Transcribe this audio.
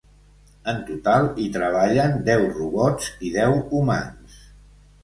En total, hi treballen deu robots i deu humans.